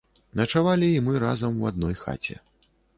Начавалі і мы разам у адной хаце.